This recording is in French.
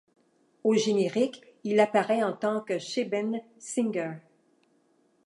Au générique, il apparait en tant que Shebeen Singer.